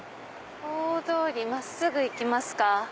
大通り真っすぐ行きますか。